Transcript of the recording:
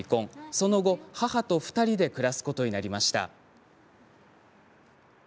その後、母と２人で暮らすことになりました。